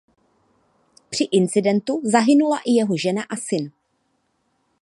Při incidentu zahynula i jeho žena a syn.